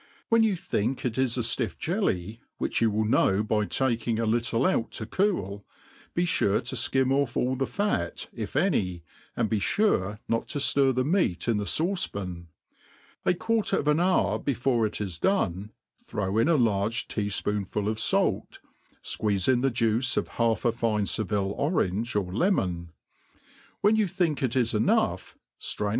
When yqu think, it is a ftiff jelly, which you will know by taking a little out to cool, be fure to. ikim off all the fat, if any, and be fure not to ftir the meat in the fauce pan. A quarter of an hour before it is done, throw io a large tea (poonful of fait, fqueezc in the juice of half a fine Seville orange or lemon ; when you think it is. enough^ ftraiij.